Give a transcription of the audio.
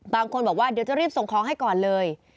บางคนบอกว่าเดี๋ยวจะรีบส่งของให้ก่อนเลย